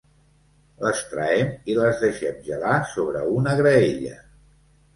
Les traem i les deixem gelar sobre una graella.